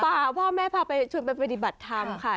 ป่าพ่อแม่พาชุดไปปฏิบัติธรรมค่ะ